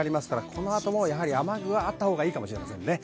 この後、雨具があったほうがいいかもしれません。